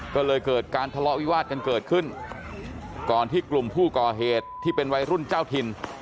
ก็เลยเกิดการทะเลาะวิวาดกันเกิดขึ้นก่อนที่กลุ่มผู้ก่อเหตุที่เป็นวัยรุ่นเจ้าถิ่น